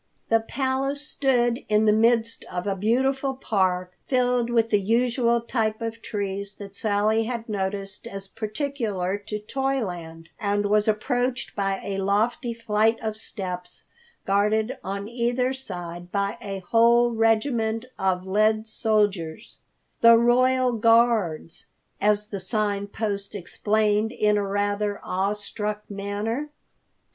The Palace stood in the midst of a beautiful park, filled with the usual types of trees that Sally had noticed as peculiar to Toyland, and was approached by a lofty flight of steps, guarded on either side by a whole regiment of lead soldiers, "The Royal Guards," as the Sign Post explained in a rather awe struck manner.